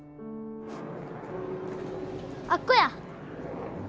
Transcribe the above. あっこや。